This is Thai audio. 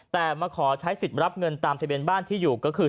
แต่มาขอใช้สิทธิ์รับเงินตามทะเบียนบ้านที่อยู่ก็คือ